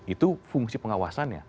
itu fungsi pengawasannya